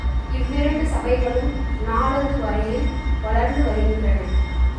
இவ்விரண்டு சபைகளும் நாளது வரையில் வளர்ந்து வருகின்றன.